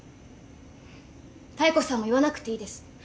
妙子さんも言わなくていいです。